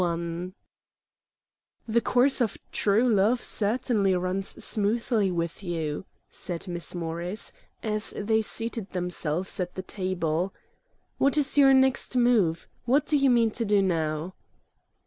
II "The course of true love certainly runs smoothly with you," said Miss Morris, as they seated themselves at the table. "What is your next move? What do you mean to do now?"